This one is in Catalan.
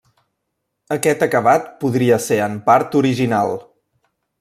Aquest acabat podria ser en part original.